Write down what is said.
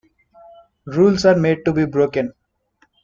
Rules are made to be broken.